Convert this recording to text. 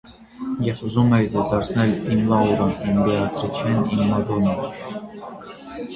Ես ուզում էի ձեզ դարձնել իմ Լաուրան, իմ Բեաթրիչեն, իմ Մադոննան…